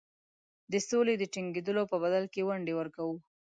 د سولي د ټینګېدلو په بدل کې ونډې ورکوو.